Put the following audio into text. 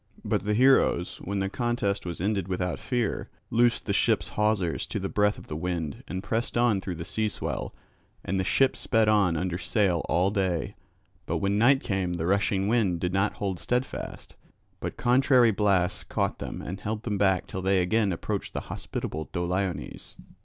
But the heroes, when the contest was ended without fear, loosed the ship's hawsers to the breath of the wind and pressed on through the sea swell. And the ship sped on under sail all day; but when night came the rushing wind did not hold steadfast, but contrary blasts caught them and held them back till they again approached the hospitable Doliones.